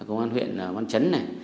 công an huyện văn chấn này